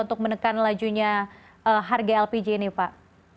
untuk menekan lajunya harga lpg ini pak